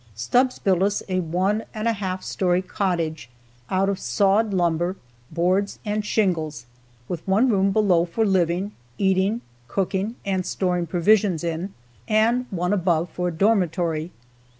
Stubbs built us a one and a half story cottage out of sawed lumber, boards and shingles, with one room below for living, eating, cooking and storing provisions in, and one above for a dormitory.